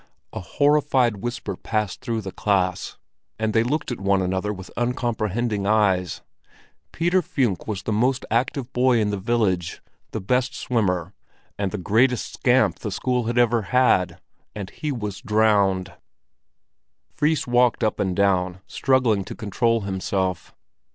A horrified whisper passed through the class, and they looked at one another with uncomprehending eyes. Peter Funck was the most active boy in the village, the best swimmer, and the greatest scamp the school had ever had—and he was drowned! Fris walked up and down, struggling to control himself.